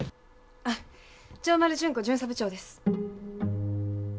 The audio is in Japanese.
あっ城丸準子巡査部長です。